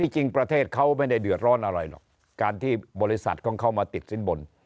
จริงประเทศเขาไม่ได้เดือดร้อนอะไรหรอกการที่บริษัทของเขามาติดสินบน